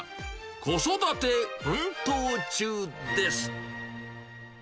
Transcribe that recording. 子育て奮闘中です。